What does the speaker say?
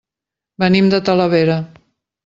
Venim de Talavera.